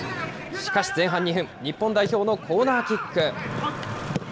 しかし前半２分、日本代表のコーナーキック。